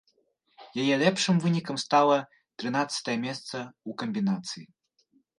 Яе лепшым вынікам стала трынаццатае месца ў камбінацыі.